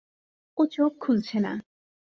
ও চোখ খুলছে না!